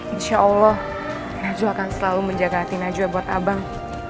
insya allah najwa akan selalu menjaga hati najwa buat abang